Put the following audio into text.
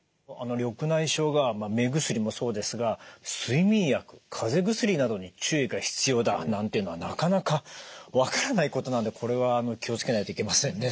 緑内障が目薬もそうですが睡眠薬かぜ薬などに注意が必要だなんていうのはなかなか分からないことなんでこれは気を付けないといけませんね。